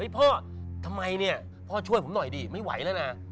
พ่อทำไมเนี่ยพ่อช่วยผมหน่อยดิไม่ไหวแล้วนะ